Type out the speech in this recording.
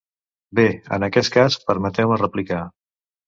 Bé, en aquest cas, permeteu-me replicar.